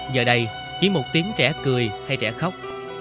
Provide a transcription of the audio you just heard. giờ đây chỉ một tiếng trẻ cười hay trẻ khóc